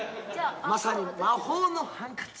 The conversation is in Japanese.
「まさに魔法のハンカチ」